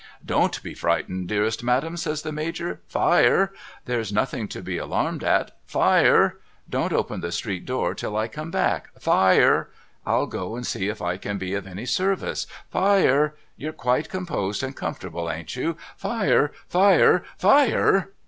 ' Don't be frightened dearest madam,' says the Major, '— Fire! There's nothing to be alarmed at — Fire! Don't open the street door till I come back — Fire ! I'll go and see if I can be of any service — Fire ! You're quite composed and comfortable ain't you ?— Fire, Fire, Fire